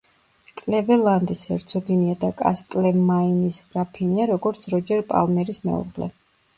კლეველანდის ჰერცოგინია და კასტლემაინის გრაფინია როგორც როჯერ პალმერის მეუღლე.